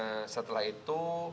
kemudian setelah itu